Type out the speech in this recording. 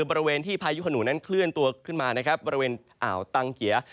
บริเวณที่พายุขนุนั้นเคลื่อนตัวขึ้นมานะครับบริเวณอ่าวตังเกีย